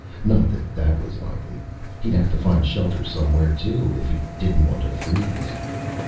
Not that that was likely he'd have to find shelter somewhere too, if he didn't want to freeze.